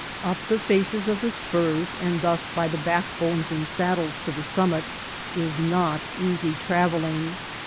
Up the faces of the spurs and thus by the backbones and saddles to the summit is not easy travelling.